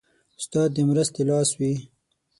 استاد د مرستې لاس وي.